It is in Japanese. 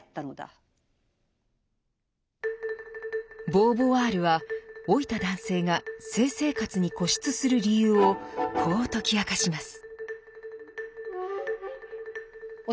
ボーヴォワールは老いた男性が性生活に固執する理由をこう解き明かします。